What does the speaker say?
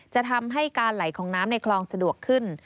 จะทำให้การไหลของน้ำในคลองสะดวกขึ้น